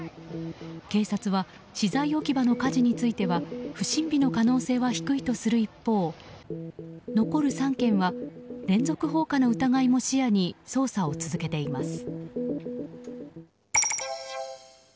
警察は資材置き場の火事については不審火の可能性は低いとする一方、残る３件は連続放火の疑いも視野に捜査を続けています。